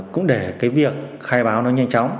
cũng để cái việc khai báo nó nhanh chóng